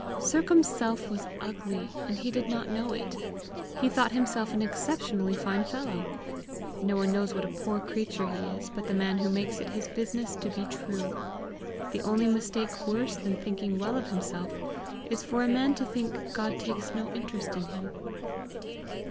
Sercombe's self was ugly, and he did not know it; he thought himself an exceptionally fine fellow. No one knows what a poor creature he is but the man who makes it his business to be true. The only mistake worse than thinking well of himself, is for a man to think God takes no interest in him.